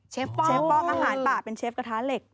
เชฟก็อาหารป่าเป็นเชฟกระทะเหล็ก